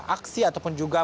aksi ataupun juga